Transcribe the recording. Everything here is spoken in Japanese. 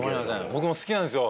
僕も好きなんですよ